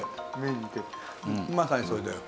まさにそれだよ。